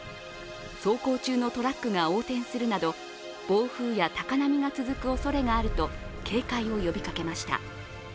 走行中のトラックが横転するなど暴風や高波が続くおそれがあると警戒を呼びかけました。